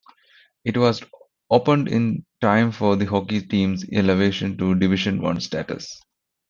It was opened in time for the hockey team's elevation to Division One status.